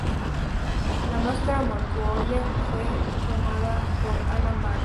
Su máscara mortuoria fue tomada por Anna Mahler.